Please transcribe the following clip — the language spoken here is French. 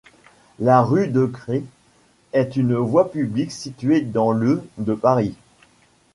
La rue Decrès est une voie publique située dans le de Paris.